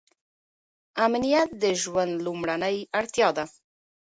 امنیت د ژوند لومړنۍ اړتیا ده.